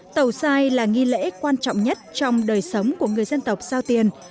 tàu sai là nghi lễ quan trọng nhất trong đời sống của người dân tộc giao tiền